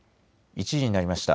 １時になりました。